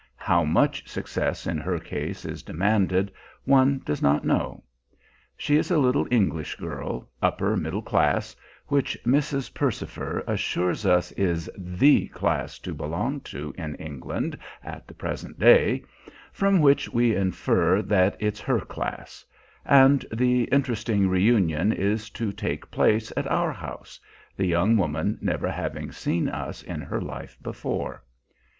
How much success in her case is demanded one does not know. She is a little English girl, upper middle class, which Mrs. Percifer assures us is the class to belong to in England at the present day, from which we infer that it's her class; and the interesting reunion is to take place at our house the young woman never having seen us in her life before.